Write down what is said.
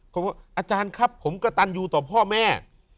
ผมว่าอาจารย์ครับผมกระตันอยู่ต่อพ่อแม่